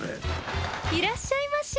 いらっしゃいまし。